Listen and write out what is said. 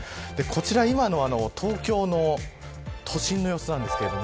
こちら今の東京の都心の様子です。